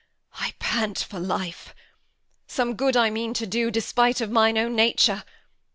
Edm. I pant for life. Some good I mean to do, Despite of mine own nature.